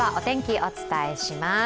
お伝えします。